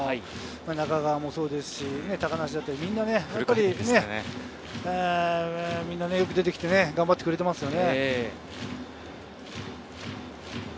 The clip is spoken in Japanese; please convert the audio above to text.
中川もそうですし、高梨だったり、みんなよく出てきて、頑張ってくれてますよね。